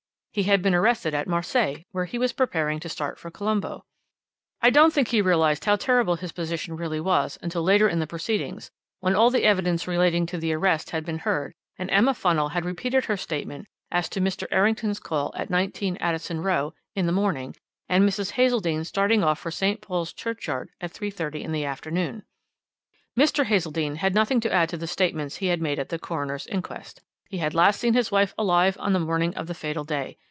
"He had been arrested at Marseilles, where he was preparing to start for Colombo. "I don't think he realized how terrible his position really was until later in the proceedings, when all the evidence relating to the arrest had been heard, and Emma Funnel had repeated her statement as to Mr. Errington's call at 19, Addison Row, in the morning, and Mrs. Hazeldene starting off for St. Paul's Churchyard at 3.30 in the afternoon. "Mr. Hazeldene had nothing to add to the statements he had made at the coroner's inquest. He had last seen his wife alive on the morning of the fatal day.